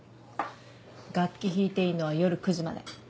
楽器弾いていいのは夜９時まで。